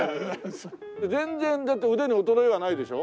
全然だって腕に衰えはないでしょ？